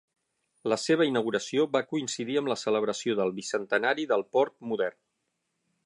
La seva inauguració va coincidir amb la celebració del Bicentenari del Port Modern.